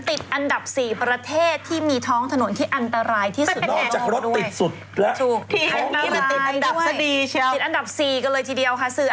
ติดอันดับ๔ประเทศที่มีท้องถนนที่อันตรายที่สุด